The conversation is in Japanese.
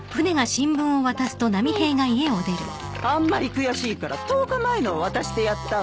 あんまり悔しいから１０日前のを渡してやったわ。